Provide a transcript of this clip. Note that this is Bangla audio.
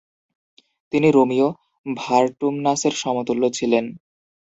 তিনি রোমীয় ভারটুমনাসের সমতুল্য ছিলেন।